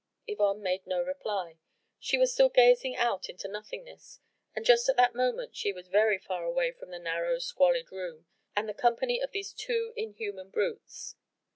Yvonne made no reply. She was still gazing out into nothingness and just at that moment she was very far away from the narrow, squalid room and the company of these two inhuman brutes.